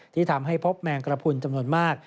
ที่ทำให้พบแมงกระพุนจำนวนมาก